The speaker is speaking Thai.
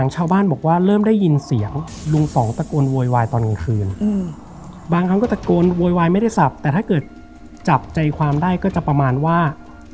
เจอที่เขาจับใจความได้ก็จะประมาณว่า